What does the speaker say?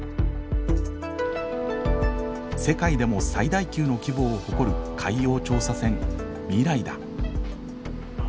世界でも最大級の規模を誇る海洋調査船みらいだ。